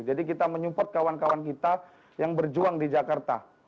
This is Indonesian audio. jadi kita menyemprot kawan kawan kita yang berjuang di jakarta